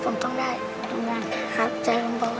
มีสิทธิ์วืดฮะ